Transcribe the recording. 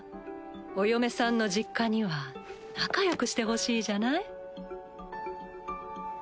お嫁さんの実家には仲よくしてほしいじゃない？